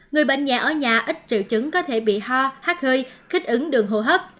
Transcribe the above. người bệnh nhẹ ở nhà ít triệu chứng có thể bị ho hát hơi kích ứng đường hô hấp